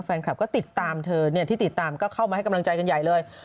แฟนคลับก็ติดตามเธอที่ติดตามก็เข้ามาให้กำลังใจกันใหญ่เลย